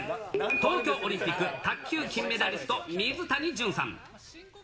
東京オリンピック卓球金メダリスト、水谷隼さん。